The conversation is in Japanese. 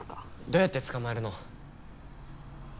どうやって捕まえるの？